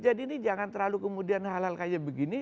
jadi ini jangan terlalu kemudian hal hal kayak begini